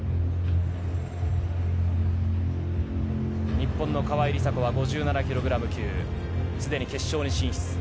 日本の川井梨紗子は５７キログラム級、すでに決勝進出。